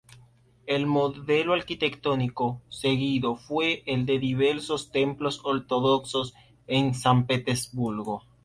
El modelo arquitectónico seguido fue el de diversos templos ortodoxos en San Petersburgo.